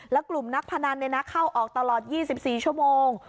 แล้วกลุ่มนักพนันเข้าออกตลอด๒๔ชั่วโมง